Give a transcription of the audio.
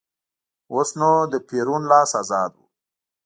اوس نو د پېرون لاس ازاد و.